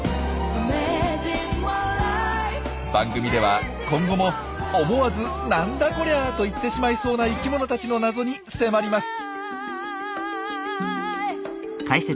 番組では今後も思わず「なんだこりゃ！！」と言ってしまいそうな生きものたちの謎に迫ります！